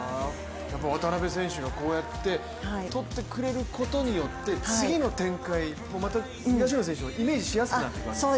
渡辺選手がこうやって取ってくれることによって次の展開もまた東野選手がイメージしやすくなってくる。